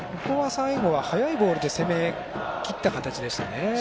最後は速いボールで攻めきった形でしたね。